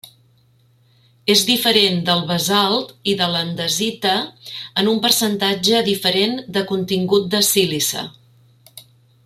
És diferent del basalt i de l'andesita en un percentatge diferent de contingut de sílice.